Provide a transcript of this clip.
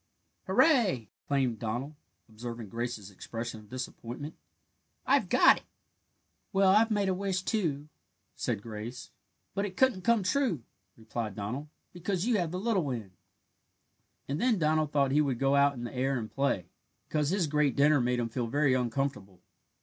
"Hurrah!" exclaimed Donald, observing Grace's expression of disappointment. "I've got it!" "Well, I've made a wish, too," said Grace. "But it won't come true," replied Donald, "because you have the little end." And then Donald thought he would go out in the air and play, because his great dinner made him feel very uncomfortable.